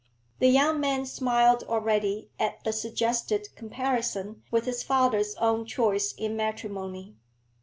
The young man smiled already at the suggested comparison with his father's own choice in matrimony.